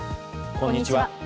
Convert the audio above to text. こんにちは。